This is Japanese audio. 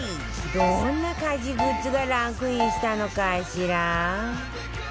どんな家事グッズがランクインしたのかしら？